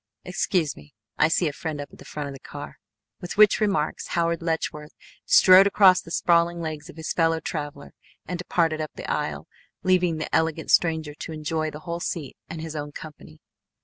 Excuse me, I see a friend up at the front of the car!" With which remarks Howard Letchworth strode across the sprawling legs of his fellow traveller and departed up the aisle, leaving the elegant stranger to enjoy the whole seat and his own company.